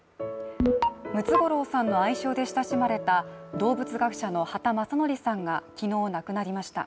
ムツゴロウさんの愛称で親しまれた動物学者の畑正憲さんが昨日、亡くなりました。